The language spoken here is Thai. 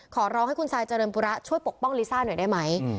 ขอร้องให้คุณซายเจริญปุระช่วยปกป้องลิซ่าหน่อยได้ไหม